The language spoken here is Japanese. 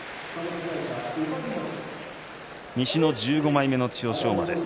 西の１５枚目の千代翔馬です。